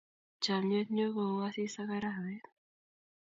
chamiet nyo ko u asis ak arawet